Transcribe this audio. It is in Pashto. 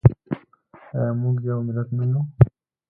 آیا موږ یو ملت نه یو؟